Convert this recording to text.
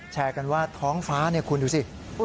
แชร์กันว่าท้องฟ้าคุณดูสิ